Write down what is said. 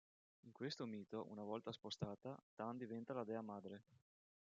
In questo mito, una volta spostata, Tan diventa la dea madre.